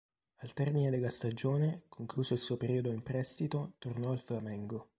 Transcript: Al termine della stagione, concluso il suo periodo in prestito, tornò al Flamengo.